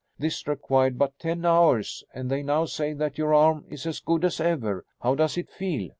This required but ten hours and they now say that your arm is as good as ever. How does it feel?"